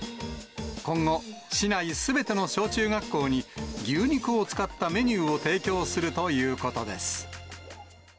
今後、市内すべての小中学校に牛肉を使ったメニューを提供するということです。